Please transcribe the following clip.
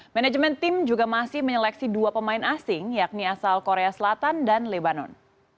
manajemen tim juga masih menyeleksi dua pemain asing yakni asal korea selatan dan lebanon